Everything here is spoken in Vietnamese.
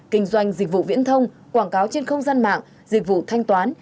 kinh doanh dịch vụ viễn thông quảng cáo trên không gian mạng dịch vụ thanh toán